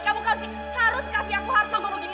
kamu harus kasih aku harta gondok ini